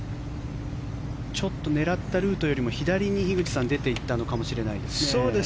ちょっと狙ったルートよりも左に樋口さん出ていったのかもしれませんね。